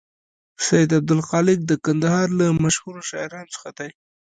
سید عبدالخالق د کندهار له مشهور شاعرانو څخه دی.